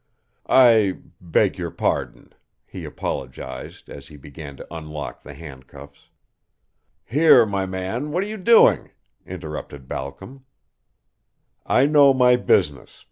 "I beg your pardon," he apologized as he began to unlock the handcuffs. "Here, my man, what are you doing?" interrupted Balcom. "I know my business.